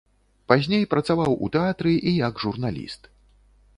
Пазней працаваў у тэатры і як журналіст.